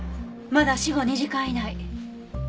まだ死後２時間以内。